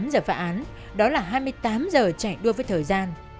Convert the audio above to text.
hai mươi tám giờ phạm án đó là hai mươi tám giờ chạy đua với thời gian